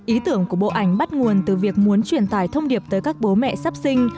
ý tưởng của bộ ảnh bắt nguồn từ việc muốn truyền tải thông điệp tới các bố mẹ sắp sinh